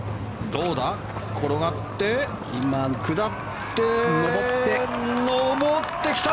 どうだ、転がって下って上ってきた。